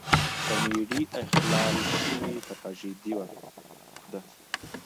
کمیډي اخلال شوې تراژیدي ده.